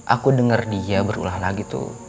aku dengar dia berulah lagi tuh